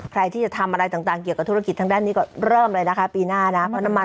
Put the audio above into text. ใครที่จะทำอะไรต่างเกี่ยวกับธุรกิจทางด้านนี้ก็เริ่มเลยนะคะปีหน้านะเพราะน้ำมัน